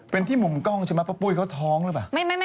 เป็นที่มุมกล้องใช่ไหมป้าปุ้ยเขาท้องหรือเปล่า